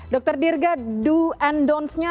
dr dirga do and don't nya